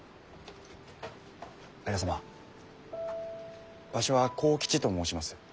綾様わしは幸吉と申します。